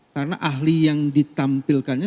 karena ahli yang ditampilkannya